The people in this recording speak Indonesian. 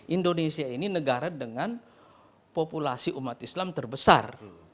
indonesia ini negara dengan populasi umat islam terbesar